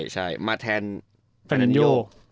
ใช่มาแทนฟานันโย